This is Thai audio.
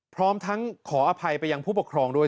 พร้อมทั้งขออภัยไปยังผู้ปกครองด้วย